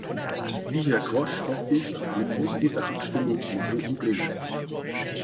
Wie Herr Grosch, hoffe ich auf eine positive Abstimmung morgen im Plenum.